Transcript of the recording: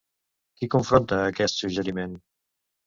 Qui confronta aquest suggeriment?